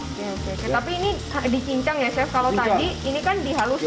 oke oke tapi ini dicincang ya chef kalau tadi ini kan dihalusin